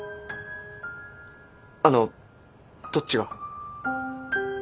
あのどっちが。